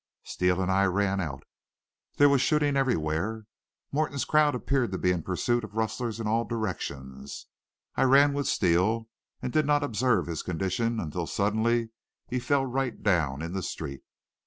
"Steele and I ran out. There was shooting everywhere. Morton's crowd appeared to be in pursuit of rustlers in all directions. I ran with Steele, and did not observe his condition until suddenly he fell right down in the street.